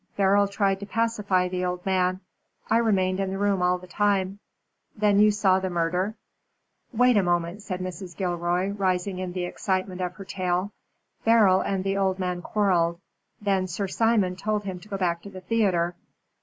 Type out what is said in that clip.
Beryl tried to pacify the old man. I remained in the room all the time " "Then you saw the murder." "Wait a moment," said Mrs. Gilroy, rising in the excitement of her tale. "Beryl and the old man quarrelled. Then Sir Simon told him to go back to the theatre.